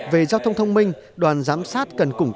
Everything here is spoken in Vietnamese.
về giao thông thông minh đoàn giám sát cần củng cố